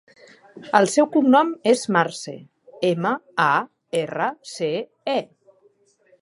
El seu cognom és Marce: ema, a, erra, ce, e.